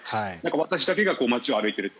私だけが街を歩いている。